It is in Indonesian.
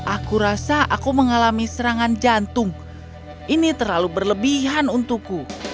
aku rasa aku mengalami serangan jantung ini terlalu berlebihan untukku